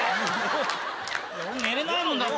寝れないもんだって。